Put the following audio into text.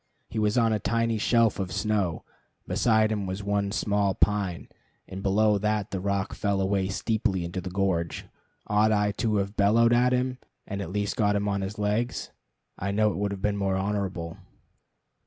He was on a tiny shelf of snow, beside him was one small pine, and below that the rock fell away steeply into the gorge. Ought I to have bellowed at him, and at least have got him on his legs? I know it would have been more honorable.